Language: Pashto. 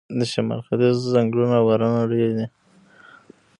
د شمال ځنګلونه او بارانونه ډیر دي.